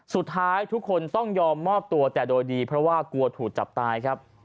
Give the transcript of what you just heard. สุดท้ายทุกคนต้องยอมมอบตัวแต่โดยดีเพราะว่ากลัวถูกจับตายครับ